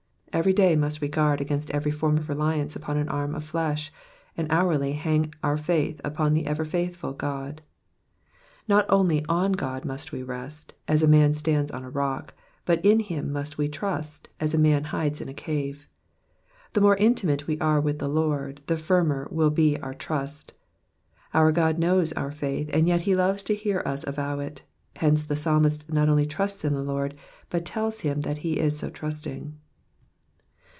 Every day must we guard against every form of reliance upon an arm of flesh, and hourly hang our faith upon the ever faithful God. Not only on Ood must we rest, as a man stands on a rock, but in him must we trust, as a man hides in a cave. The more intimate we are with the Lord, the firmer will our trust be. God knows our faith, and«yet he loves to hear us avow it ; hence, the psalmist not only trusts in the Lord, but tells him that he is so trusting.